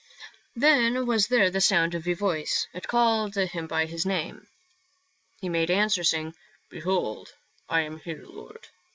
Then was there the sound of a voice, it called him by his name. He made answer, saying, " Behold, I am here, Lord."